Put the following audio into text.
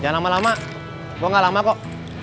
jangan lama lama gue ga lama kok